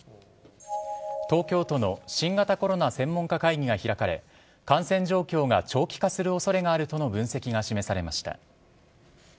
東京都の新型コロナ専門家会議が開かれ感染状況が長期化する恐れがあるとの分析が示されました。